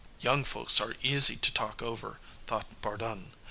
Young folks are easy to talk over, thought Bardun.